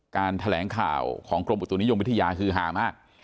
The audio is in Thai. แถลงข่าวของกรมอุตุนิยมวิทยาคือหามาก